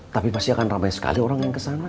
tapi pasti akan ramai sekali orang yang ke sana